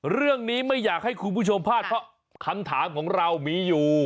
เรื่องนี้ไม่อยากให้คุณผู้ชมพลาดเพราะคำถามของเรามีอยู่